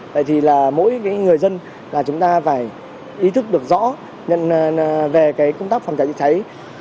vậy thì mỗi người dân chúng ta phải ý thức được rõ về công tác phòng cháy chữa cháy